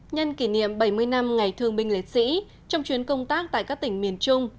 nhân kỷ niệm bảy mươi năm ngày thương binh liệt sĩ trong chuyến công tác tại các tỉnh miền trung